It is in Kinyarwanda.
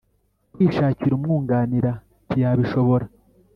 kwishakira umwunganira ntiyabishobora.